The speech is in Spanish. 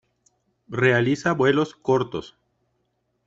Realiza vuelos cortos.